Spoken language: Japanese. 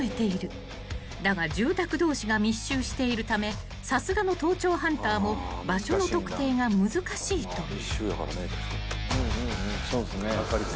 ［だが住宅同士が密集しているためさすがの盗聴ハンターも場所の特定が難しいという］